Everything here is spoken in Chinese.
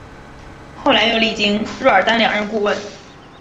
后来又历经若尔丹两任顾问。